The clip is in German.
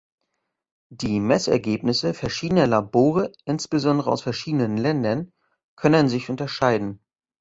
Die Messergebnisse verschiedener Labore, insbesondere aus verschiedenen Ländern, können sich unterscheiden.